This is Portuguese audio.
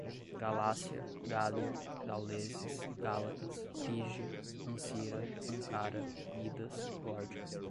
Galácia, Gália, gauleses, gálatas, frígia, Ancira, Ancara, Midas, Górdio